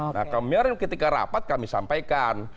nah kemarin ketika rapat kami sampaikan